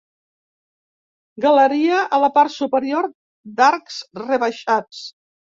Galeria a la part superior d'arcs rebaixats.